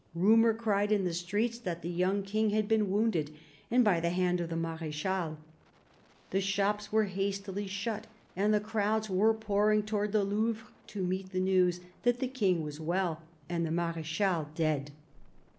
Rumour cried in the streets that the young King had been wounded, and by the hand of the Mar^chal, The shops were hastily shut and crowds were pouring towards the Louvre, to meet the news that the King was well and the Marechal dead.